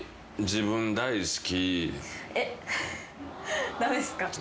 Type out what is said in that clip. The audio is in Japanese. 自分大好きは。